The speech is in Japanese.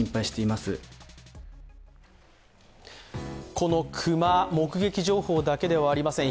この熊、目撃情報だけではありません。